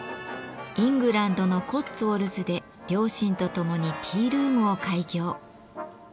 イングランドのコッツウォルズで両親と共にティールームを開業。